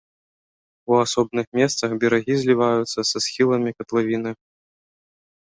У асобных месцах берагі зліваюцца са схіламі катлавіны.